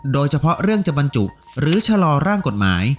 โดยเฉพาะเรื่องจะบรรจุหรือชะลอร่างกฎหมาย